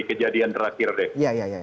kejadian terakhir deh ya ya ya